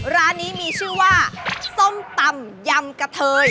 ร้านนี้มีชื่อว่าส้มตำยำกะเทย